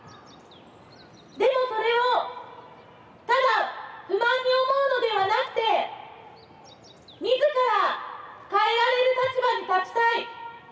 でもそれをただ不満に思うのではなくてみずから変えられる立場に立ちたい。